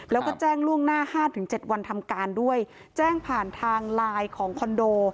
แล้วก็แจ้งล่วงหน้าห้าถึงเจ็ดวันทำการด้วยแจ้งผ่านทางไลน์ของคอนโด